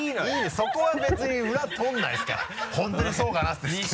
そこは別に裏取らないですから本当にそうかな？って言って。